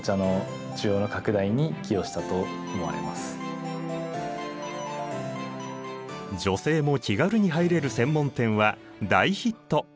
この女性も気軽に入れる専門店は大ヒット！